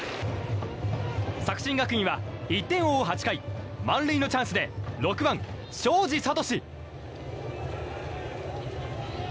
作新学院は１点を追う８回満塁のチャンスで６番、東海林智。